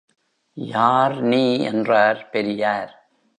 யார் நீ என்றார் பெரியார்.